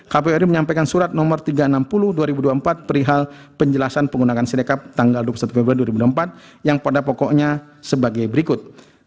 kpu ri menyampaikan surat nomor tiga ratus enam puluh dua ribu dua puluh empat perihal penjelasan penggunaan sinekap tanggal dua puluh satu februari dua ribu dua puluh empat yang pada pokoknya sebagai berikut